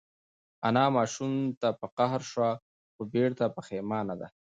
انا ماشوم ته په قهر شوه خو بېرته پښېمانه ده.